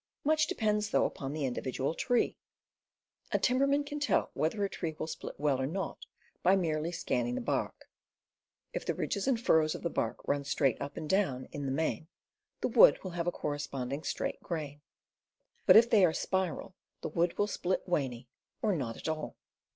Much depends, though, upon the individual tree. A timberman can tell whether a tree will split well or not by merely scanning the bark; if the ridges and furrows of the bark run straight up and down, in the main, the wood will have a correspond ing straight grain, but if they are spiral, the wood will split waney, or not at all.